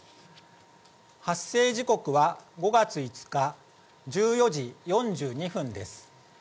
発生時刻は５月５日１４時４２分です。